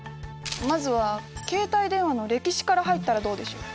まずは携帯電話の歴史から入ったらどうでしょう？